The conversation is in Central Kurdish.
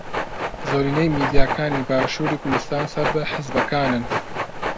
زۆرینەی میدیاکانی باشووری کوردستان سەر بە حیزبەکانن.